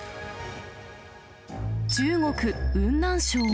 中国・雲南省。